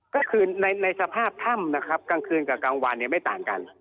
ก็คือในสภาพถ้ำนะครับกลางคืนกับกลางวันเนี่ยไม่ต่างกัน